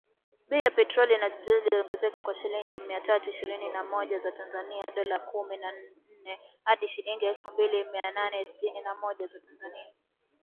Bei ya petroli na dizeli iliongezeka kwa shilingi mia tatu ishirini na moja za Tanzania ( dola kumi na nne) hadi shilingi elfu mbili mia nane sitini na moja za Tanzania